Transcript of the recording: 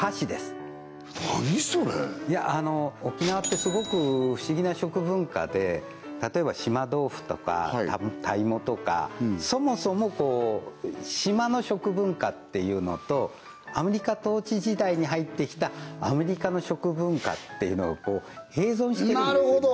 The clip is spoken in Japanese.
沖縄ってすごく不思議な食文化で例えば島豆腐とかタイモとかそもそも島の食文化っていうのとアメリカ統治時代に入ってきたアメリカの食文化っていうのがこう併存してるんですよねなるほど！